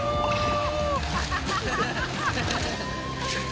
ハハハハハ！